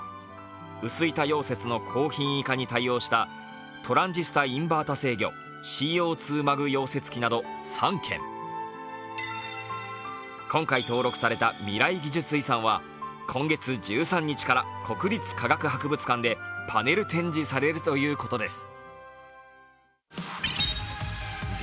薄板溶接の高品位化に対応したトランジスタインバータ制御ＣＯ２／ＭＡＧ溶接機など３件今回登録された未来技術遺産は、今月１３日から国立科学博物館でパネル展示されるということです。